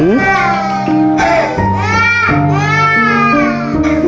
และความสนุกของแฟน